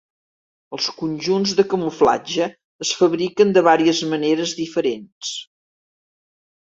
Els conjunts de camuflatge es fabriquen de varies maneres diferents.